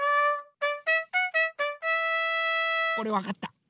これわかった！